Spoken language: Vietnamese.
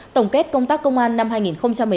tổng kết công tác công an năm hai nghìn một mươi chín